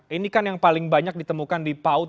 ini kan yang paling banyak ditemukan di paut